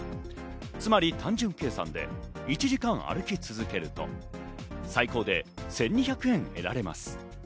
つまり単純計算で１時間歩き続けると最高で１２００円得られます。